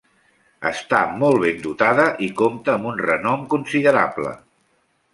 Està molt ben dotada, i compta amb un renom considerable.